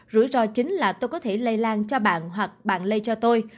rủi ro chính là tôi có thể lây lan cho bạn hoặc bạn lây cho tôi